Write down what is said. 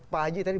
pak haji tadi